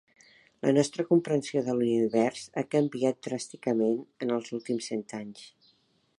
La nostra comprensió de l’univers ha canviat dràsticament en els últims cent anys.